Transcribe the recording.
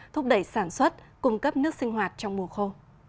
thúc đẩy sản xuất cung cấp nước sinh hoạt trong mùa khô